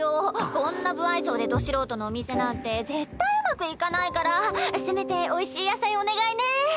こんな不愛想でど素人のお店なんて絶対うまくいかないからせめておいしい野菜お願いね。